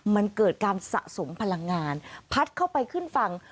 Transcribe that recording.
มันเกิดการสะสมพลังงานพัดเข้าไปขึ้นฝั่ง